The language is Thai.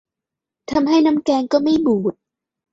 ทำให้น้ำแกงก็ไม่บูด